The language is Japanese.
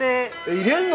入れんの？